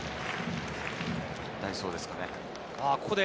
代走ですかね。